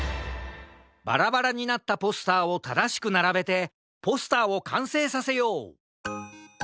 バラバラになったポスターをただしくならべてポスターをかんせいさせよう！